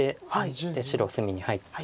で白隅に入っていって。